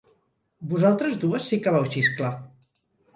Vosaltres dues sí que vau xisclar.